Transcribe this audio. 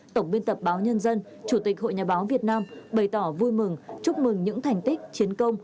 tổng biên tập báo nhân dân chủ tịch hội nhà báo việt nam bày tỏ vui mừng chúc mừng những thành tích chiến công